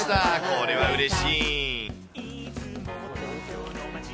これはうれしい。